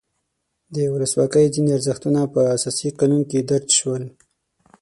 د ولسواکۍ ځینې ارزښتونه په اساسي قانون کې درج شول.